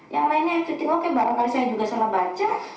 yang lainnya ftc ngoke barangkali saya juga salah baca